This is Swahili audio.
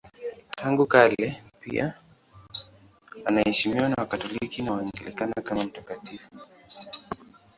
Tangu kale yeye pia anaheshimiwa na Wakatoliki na Waanglikana kama mtakatifu.